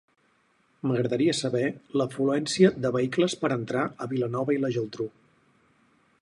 M'agradaria saber l'afluència de vehicles per entrar a Vilanova i la Geltrú.